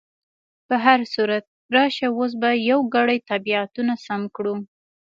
په هر صورت، راشه اوس به یو ګړی طبیعتونه سم کړو.